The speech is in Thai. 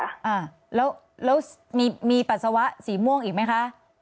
อ่าแล้วมีปัสสาวะสีม่วงอีกมั้ยคะ